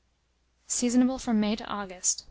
Seasonable from May to August.